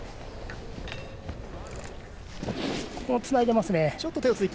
つないでいますね。